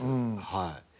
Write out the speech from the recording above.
はい。